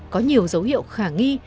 có nhiều dấu hiệu khả nghi